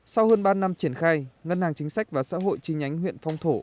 sau hơn ba năm triển khai ngân hàng chính sách và xã hội chi nhánh huyện phong thổ